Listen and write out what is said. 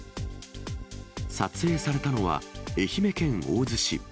撮影されたのは、愛媛県大洲市。